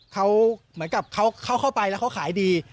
เขาเหมือนกับเขาเข้าไปแล้วเขาขายดี